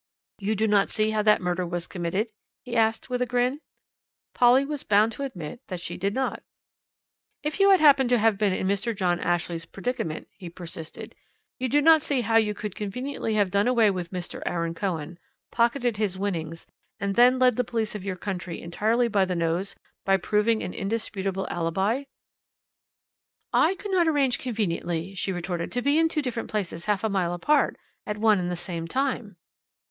"You do not see how that murder was committed?" he asked with a grin. Polly was bound to admit that she did not. "If you had happened to have been in Mr. John Ashley's predicament," he persisted, "you do not see how you could conveniently have done away with Mr. Aaron Cohen, pocketed his winnings, and then led the police of your country entirely by the nose, by proving an indisputable alibi?" "I could not arrange conveniently," she retorted, "to be in two different places half a mile apart at one and the same time."